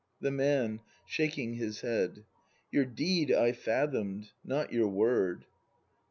The Man. [Shaking his head.] Your deed I fathom'd, — not your word.